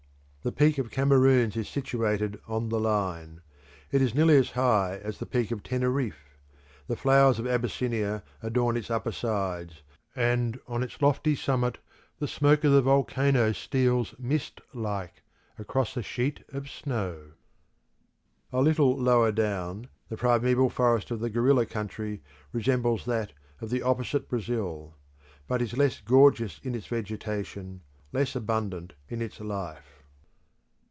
The Peak of Cameroons is situated on the Line; it is nearly as high as the Peak of Teneriffe; the flowers of Abyssinia adorn its upper sides, and on its lofty summit the smoke of the volcano steals mist like across a sheet of snow. A little lower down, the primeval forest of the Gorilla Country resembles that of the opposite Brazil; but is less gorgeous in its vegetation, less abundant in its life.